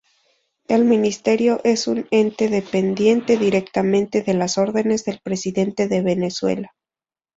El ministerio es un ente dependiente directamente de las órdenes del Presidente de Venezuela.